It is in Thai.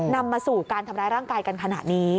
นำมาสู่การทำร้ายร่างกายกันขนาดนี้